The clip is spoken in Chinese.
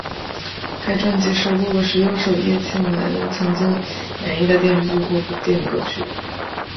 该专辑收录了十六首叶蒨文曾经演绎的电视剧或电影歌曲。